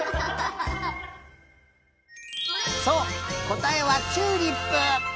こたえはチューリップ！